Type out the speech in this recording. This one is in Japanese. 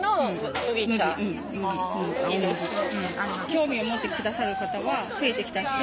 興味を持って下さる方は増えてきたし